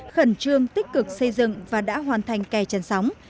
khẩn trương tích cực xây dựng và đã hoàn thành kè chân sóng